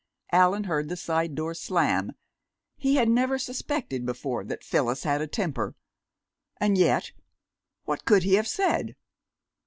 Allan heard the side door slam. He had never suspected before that Phyllis had a temper. And yet, what could he have said?